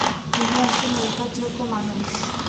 তিনি একটি নির্ভরযোগ্য মানুষ।